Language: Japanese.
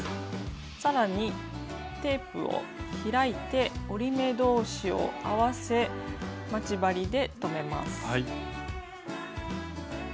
さらにテープを開いて折り目同士を合わせ待ち針で留めます。